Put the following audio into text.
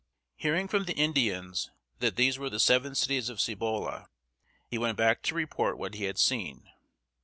Hearing from the Indians that these were the Seven Cities of Cibola, he went back to report what he had seen.